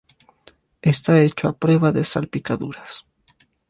Está hecho a prueba de salpicaduras.